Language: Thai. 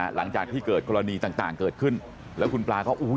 หลังจากที่เกิดกรณีต่างเกิดขึ้นแล้วคุณปลาเขาอุ้ย